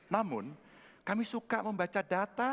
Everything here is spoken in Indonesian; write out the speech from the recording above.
namun kami suka membaca data